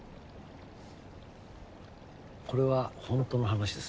これは本当の話です。